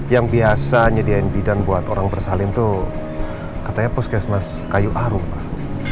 yang biasa nyediain bidan buat orang bersalin itu katanya puskesmas kayu arum pak